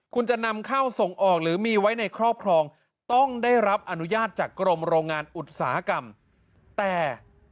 คุณจะนำเข้าส่งออกหรือมีไว้ในครอบครองต้องได้รับอนุญาตจากกรมโรงงานอุตสาหกรรมแต่